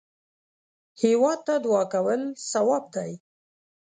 هېواد ته دعا کول ثواب دی